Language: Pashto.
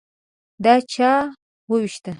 _دا چا ووېشته؟